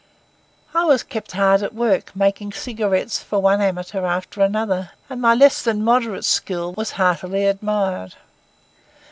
I was kept hard at work making cigarettes for one amateur after another, and my less than moderate skill was heartily admired.